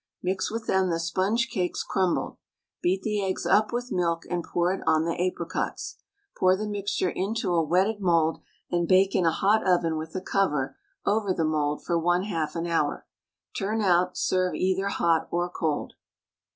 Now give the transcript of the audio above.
Mix with them the sponge cakes crumbled. Beat the eggs up with milk and pour it on the apricots. Pour the mixture into a wetted mould and bake in a hot oven with a cover over the mould for 1/2 an hour. Turn out; serve either hot or cold.